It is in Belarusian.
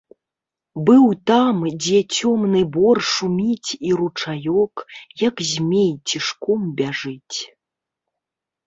Быў там, дзе цёмны бор шуміць і ручаёк, як змей, цішком бяжыць.